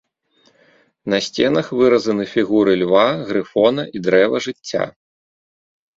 На сценах выразаны фігуры льва, грыфона і дрэва жыцця.